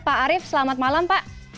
pak arief selamat malam pak